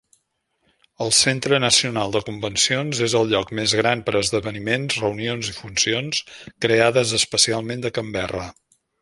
El Centre nacional de Convencions és el lloc més gran per a esdeveniments, reunions i funcions creades especialment de Canberra.